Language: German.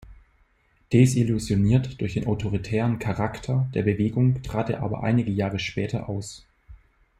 Desillusioniert durch den autoritären Charakter der Bewegung trat er aber einige Jahre später aus.